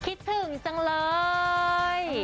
คิดถึงจังเลย